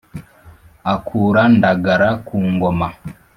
Akura Ndagara ku ngoma.